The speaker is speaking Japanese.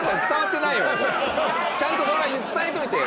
ちゃんとそれは伝えといてよ